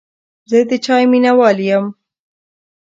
زه د چای مینهوال یم.